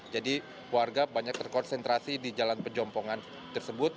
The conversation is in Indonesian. warga banyak terkonsentrasi di jalan pejompongan tersebut